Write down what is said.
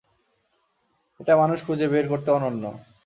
এটা মানুষ খুঁজে বের করতে অনন্য।